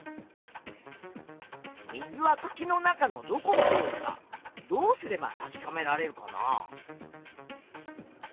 水はくきの中のどこを通るかどうすれば確かめられるかな？